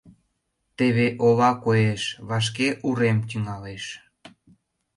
Теве ола коеш, вашке урем тӱҥалеш.